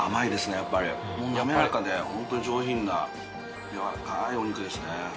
やっぱり滑らかでホント上品なやわらかいお肉ですね